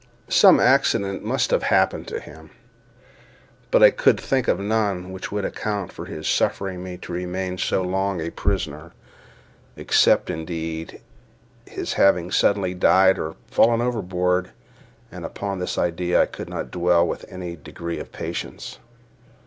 Some accident might have happened to him—but I could think of none which would account for his suffering me to remain so long a prisoner, except, indeed, his having suddenly died or fallen overboard, and upon this idea I could not dwell with any degree of patience.